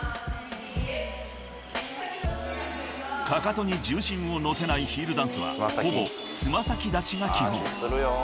［かかとに重心を乗せないヒールダンスはほぼ爪先立ちが基本］